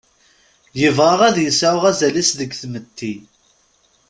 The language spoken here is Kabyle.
Yebɣa ad yesɛu azal-is deg tmetti.